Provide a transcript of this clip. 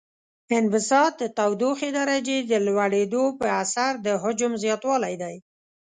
انبساط د تودوخې درجې د لوړیدو په اثر د حجم زیاتوالی دی.